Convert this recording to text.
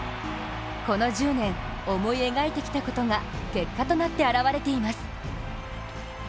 この１０年、思い描いてきたことが結果となって表れています。